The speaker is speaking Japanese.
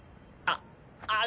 あっ。